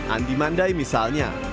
andi mandai misalnya